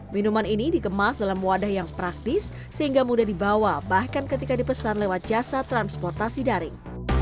minuman ini dikemas dalam wadah yang praktis sehingga mudah dibawa bahkan ketika dipesan lewat jasa transportasi daring